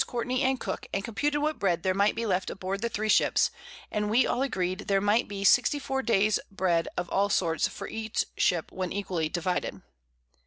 _ Courtney and Cooke, _and computed what Bread there might be left aboard the 3 Ships; and we all agreed there might be 64 Days Bread of all sorts for each Ship, when equally divided_.